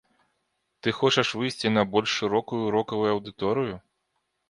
Ты хочаш выйсці на больш шырокую рокавую аўдыторыю?